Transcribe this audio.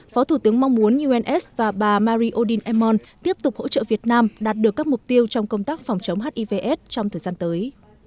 phó thủ tướng mong muốn uns và bà marine odin emon tiếp tục hỗ trợ việt nam đạt được các mục tiêu trong công tác phòng chống hiv aids trong thời gian tới